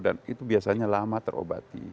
dan itu biasanya lama terobati